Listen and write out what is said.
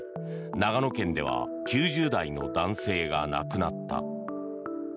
長野県では９０代の男性が亡くなった。